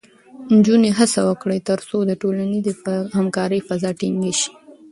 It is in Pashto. نجونې هڅه وکړي، ترڅو د ټولنیزې همکارۍ فضا ټینګې شي.